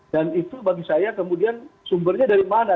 dan itu bagi saya kemudian sumbernya dari mana